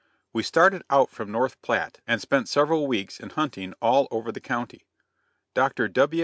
We started out from North Platte, and spent several weeks in hunting all over the county. Dr.